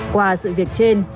qua sự việc trên